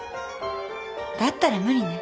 だったら無理ね